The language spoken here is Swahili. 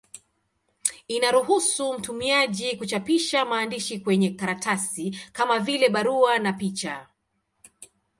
Inaruhusu mtumiaji kuchapisha maandishi kwenye karatasi, kama vile barua na picha.